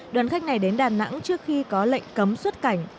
đoàn khách này đến đà nẵng trước khi có lệnh cấm xuất cảnh